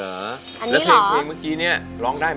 อันนี้หรอแล้วเพียงเมื่อกี้นี้ร้องได้ไหม